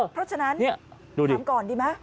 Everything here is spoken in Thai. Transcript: เพราะฉะนั้นถามก่อนดีไหม